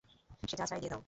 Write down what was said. সে যা চায় দিয়ে দাও।